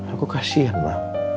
aku kasian ma